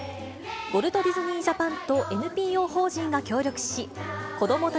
ウォルト・ディズニー・ジャパンとＮＰＯ法人が協力し、子どもた